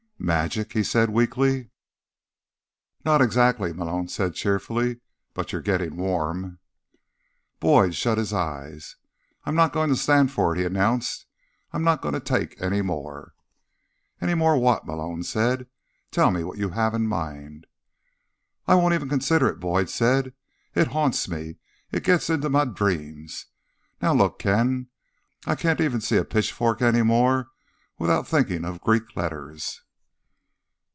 "Magic?" he said weakly. "Not exactly," Malone said cheerfully. "But you're getting warm." Boyd shut his eyes. "I'm not going to stand for it," he announced. "I'm not going to take any more." "Any more what?" Malone said. "Tell me what you have in mind." "I won't even consider it," Boyd said. "It haunts me. It gets into my dreams. Now, look, Ken, I can't even see a pitchfork any more without thinking of Greek letters."